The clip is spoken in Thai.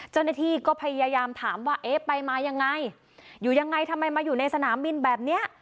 เจ้าหน้าที่ก็พยายามถามว่าเอ๊ะไปมายังไงอยู่ยังไงทำไมมาอยู่ในสนามบินแบบเนี้ย